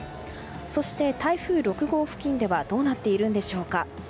そして、台風６号付近ではどうなっているんでしょうか。